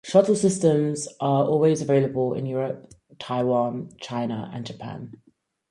Shuttle systems are also available in Europe, Taiwan, China and Japan.